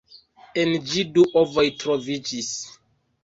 En ĝi du ovoj troviĝis.